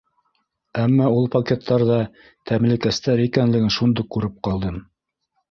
Әммә ул пакеттарҙа тәмлекәстәр икәнлеген шундуҡ күреп ҡалдым.